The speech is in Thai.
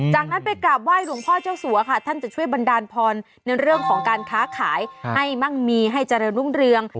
จากนั้นไปกราบไห้หลวงพ่อเจ้าสัวค่ะท่านจะช่วยบันดาลพรในเรื่องของการค้าขายให้มั่งมีให้เจริญรุ่งเรือง